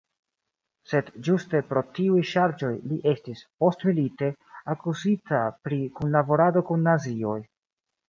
Sed ĝuste pro tiuj ŝarĝoj li estis, postmilite, akuzita pri kunlaborado kun nazioj.